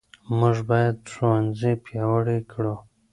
موږ باید ښوونځي پیاوړي کړو.